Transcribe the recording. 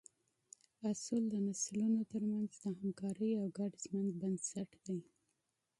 اصول د نسلونو تر منځ د همکارۍ او ګډ ژوند بنسټ دي.